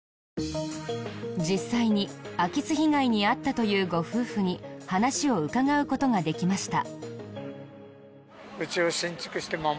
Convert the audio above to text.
実際に空き巣被害に遭ったというご夫婦に話を伺う事ができました。